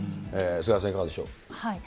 菅原さん、いかがでしょう。